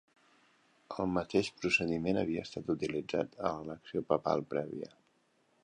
El mateix procediment havia estat utilitzat a l'elecció papal prèvia.